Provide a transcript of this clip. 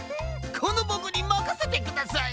このボクにまかせてください！